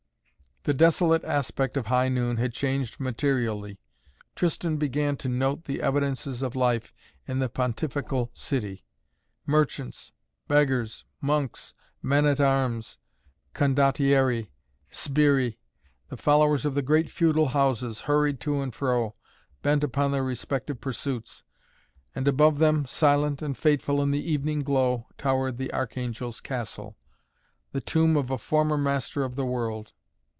The desolate aspect of high noon had changed materially. Tristan began to note the evidences of life in the Pontifical City. Merchants, beggars, monks, men at arms, condottieri, sbirri, the followers of the great feudal houses, hurried to and fro, bent upon their respective pursuits, and above them, silent and fateful in the evening glow, towered the Archangel's Castle, the tomb of a former Master of the World.